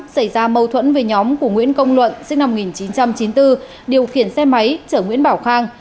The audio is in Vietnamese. xảy ra mâu thuẫn với nhóm của nguyễn công luận sinh năm một nghìn chín trăm chín mươi bốn điều khiển xe máy chở nguyễn bảo khang